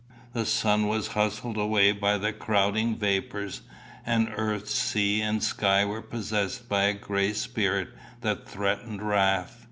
The sun was hustled away by the crowding vapours; and earth, sea, and sky were possessed by a gray spirit that threatened wrath.